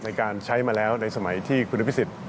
ในการใช้มาแล้วในสมัยที่คุณอภิษฎ